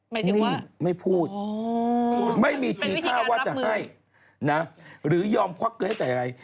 หมายถึงว่าไม่พูดไม่มีทีท่าว่าจะให้หรือยอมควักเกลือให้แต่อะไร